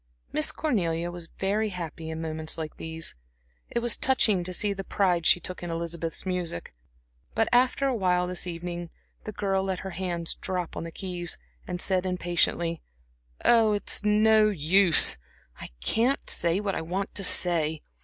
Miss Cornelia was very happy in moments like these. It was touching to see the pride she took in Elizabeth's music. But after awhile this evening the girl let her hands drop on the keys, and said impatiently: "Oh, it's no use, I can't say what I want to say.